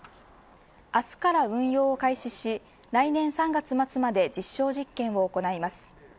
明日から運用を開始し来年３月末まで実証実験を行います。